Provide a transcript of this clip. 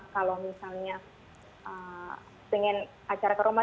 kalau misalnya pengen acara ke rumah